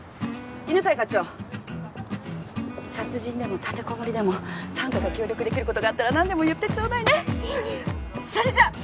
犬飼課長殺人でも立てこもりでも三課が協力できることがあったら何でも言ってちょうだいねそれじゃっ！